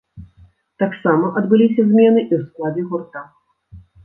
Таксама адбыліся змены і ў складзе гурта.